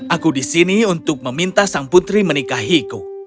aku di sini untuk meminta sang putri menikahiku